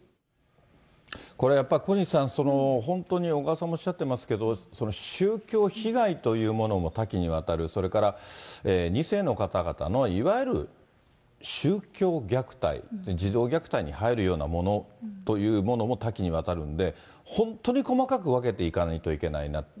これやっぱり、本当に小川さんもおっしゃってますけど、宗教被害というものも多岐にわたる、それから２世の方々のいわゆる宗教虐待、児童虐待に入るようなものも多岐にわたるんで、本当に細かく分けていかないといけないなって。